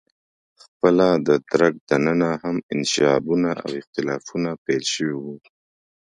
خپله د درګ دننه هم انشعابونه او اختلافونه پیل شوي وو.